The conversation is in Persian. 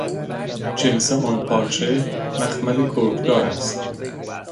جنس آن پارچه، مخمل کرکدار است